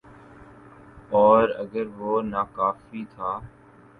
اوراگر وہ ناکافی تھا۔